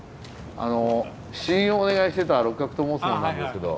試飲をお願いしてた六角と申す者なんですけど。